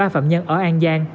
ba phạm nhân ở an giang